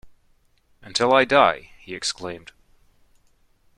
Until I die, he exclaimed.